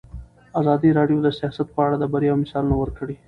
ازادي راډیو د سیاست په اړه د بریاوو مثالونه ورکړي.